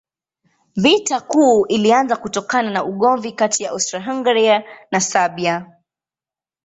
Vita Kuu ilianza kutokana na ugomvi kati ya Austria-Hungaria na Serbia.